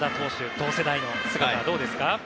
同世代の姿、どうですか？